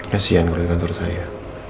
kasian kalau di kantor saya